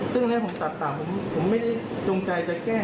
ซึ่งอันนี้ผมตัดต่างผมไม่ได้จงใจจะแก้